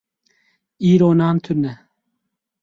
Îro nan tune.